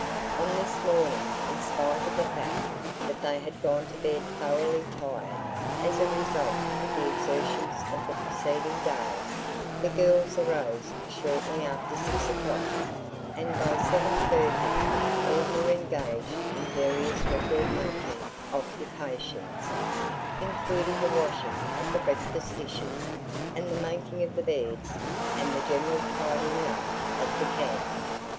On this morning, in spite of the fact that they had gone to bed thoroughly tired as a result of the exertions of the preceding day, the girls arose shortly after 6 o'clock and by 7:30 all were engaged in various record making occupations, including the washing of the breakfast dishes and the making of the beds and the general tidying up of the camp.